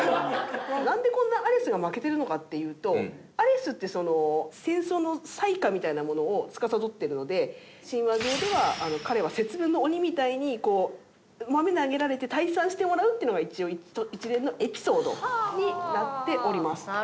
なんでこんなアレスが負けてるのかっていうとアレスって戦争の災禍みたいなものをつかさどっているので神話上では彼は節分の鬼みたいに豆投げられて退散してもらうっていうのが一応一連のエピソードになっております。